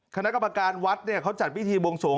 คณะกรรมการวัดเขาจัดพิธีบวงสวง